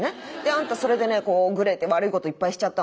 あんたそれでねこうグレて悪いこといっぱいしちゃったわね。